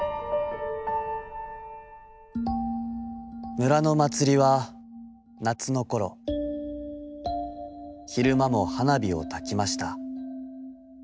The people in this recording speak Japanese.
「村のまつりは夏のころ、ひるまも花火をたきました。